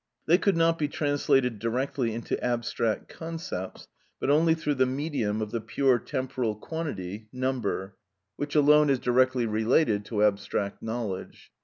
They could not be translated directly into abstract concepts, but only through the medium of the pure temporal quantity, number, which alone is directly related to abstract knowledge.